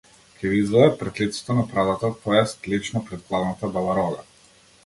Ќе ве изведат пред лицето на правдата то ест лично пред главната бабарога!